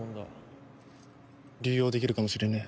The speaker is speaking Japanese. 流用できるかもしれねえ。